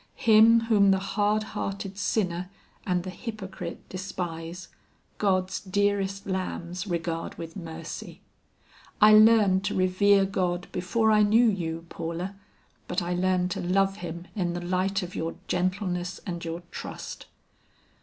"Him whom the hard hearted sinner and the hypocrite despise, God's dearest lambs regard with mercy. I learned to revere God before I knew you, Paula, but I learned to love Him in the light of your gentleness and your trust.